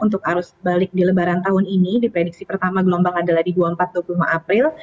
untuk arus balik di lebaran tahun ini diprediksi pertama gelombang adalah di dua puluh empat dua puluh lima april